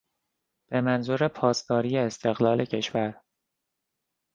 به منظور پاسداری استقلال کشور